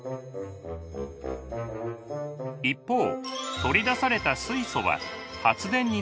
一方取り出された水素は発電に使います。